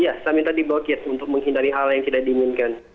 iya saya minta di blocket untuk menghindari hal yang tidak diinginkan